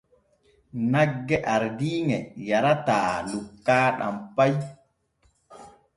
Nagge ardiiŋe yarataa lukaaɗam pay.